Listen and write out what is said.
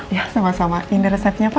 ya sama sama ini resepnya pak